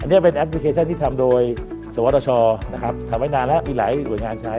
อันนี้เป็นแอปพลิเคชันที่ทำโดยสวทชทำไว้นานแล้วมีหลายบุญงานใช้